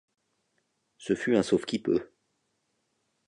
Ce fut un sauve-qui-peut.